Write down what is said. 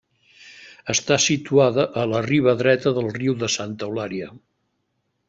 Està situada a la riba dreta del riu de Santa Eulària.